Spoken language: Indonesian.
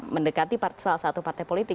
mendekati salah satu partai politik